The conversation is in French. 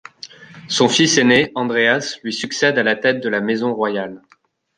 Son fils aîné, Andreas, lui succède à la tête de la maison royale.